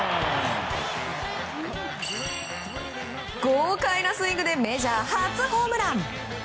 豪快なスイングでメジャー初ホームラン。